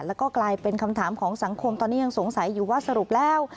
แล้วก็กลายเป็นคำถามของสังคมตอนนี้ยังสงสัยอยู่ว่าสรุปแล้ว